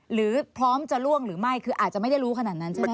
หรือพร้อมจะล่วงหรือไม่คืออาจจะไม่ได้รู้ขนาดนั้นใช่ไหม